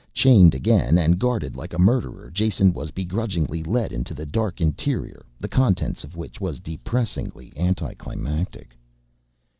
Chained again, and guarded like a murderer, Jason was begrudgingly led into the dark interior, the contents of which was depressingly anticlimactic.